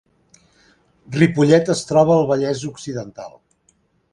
Ripollet es troba al Vallès Occidental